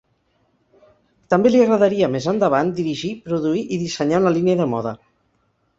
També li agradaria més endavant dirigir, produir i dissenyar una línia de moda.